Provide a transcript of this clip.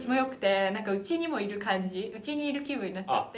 家にいる気分になっちゃって。